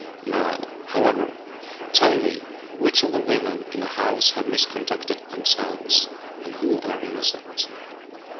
Now, however, tell me which of the women in the house have misconducted themselves, and who are innocent."